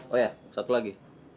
oh ya satu lagi